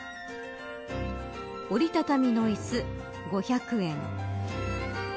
折り畳みの椅子５００円。